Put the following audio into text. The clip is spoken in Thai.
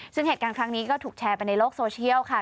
ซึ่งเหตุการณ์ครั้งนี้ก็ถูกแชร์ไปในโลกโซเชียลค่ะ